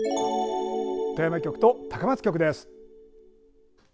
富山局と高松局です。